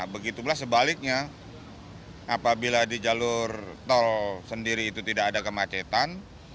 begitu pula sebaliknya apabila di jalur tol sendiri itu tidak ada kemacetan